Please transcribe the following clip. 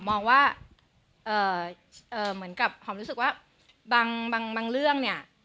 เป็นคนละมุมมองค่ะหอมรู้สึกว่าบางเรื่องเนี่ย